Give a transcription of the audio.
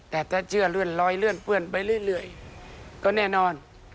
แต่ถ้าเชื่อเลื่อนลอยเลื่อนเปื้อนไปเรื่อยก็แน่นอน